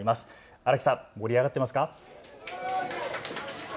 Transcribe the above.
荒木さん、盛り上がってますか。